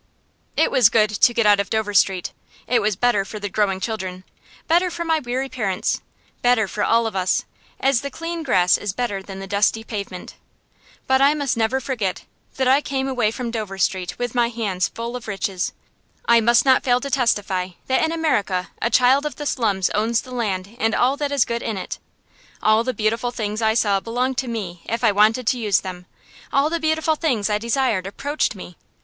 It was good to get out of Dover Street it was better for the growing children, better for my weary parents, better for all of us, as the clean grass is better than the dusty pavement. But I must never forget that I came away from Dover Street with my hands full of riches. I must not fail to testify that in America a child of the slums owns the land and all that is good in it. All the beautiful things I saw belonged to me, if I wanted to use them; all the beautiful things I desired approached me.